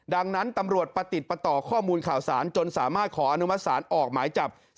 ดังนั้นตำรวจประติดประต่อข้อมูลข่าวสารจนสามารถขออนุมัติศาลออกหมายจับ